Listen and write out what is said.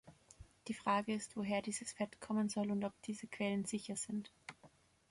Die Frage ist, woher dieses Fett kommen soll und ob diese Quellen sicher sind.